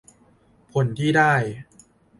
ผลที่ได้